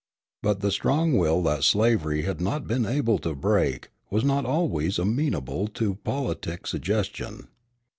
But the strong will that slavery had not been able to break was not always amenable to politic suggestion.